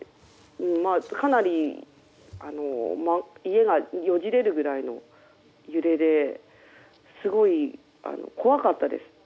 かなり家がよじれるくらいの揺れですごい怖かったです。